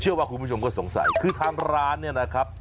เชื่อว่าคุณผู้ชมก็สงสัยคือทำร้านนี่นะครับ